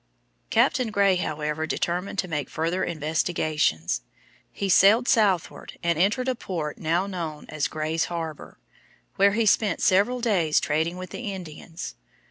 Captain Gray, however, determined to make further investigations. He sailed southward and entered a port now known as Gray's Harbor, where he spent several days trading with the Indians.